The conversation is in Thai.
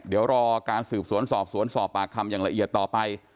เดี๋ยวรอการสืบสวนสอบสวนสอบปากคำอย่างละเอียดต่อไป